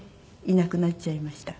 いなくなっちゃいました。